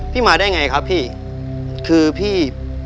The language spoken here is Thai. มาได้ไงครับพี่คือพี่